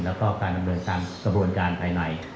แล้วก็การดำเนินการกระบวนการภายใน